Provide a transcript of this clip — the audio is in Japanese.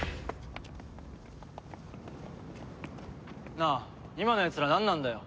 なあ今のやつらなんなんだよ？